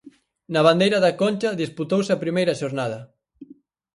Na Bandeira da Concha disputouse a primeira xornada.